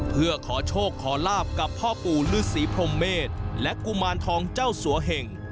เพื่อขอโชคขอลาบกับพ่อปู่ฤษีพรมเมษและกุมารทองเจ้าสัวเห่ง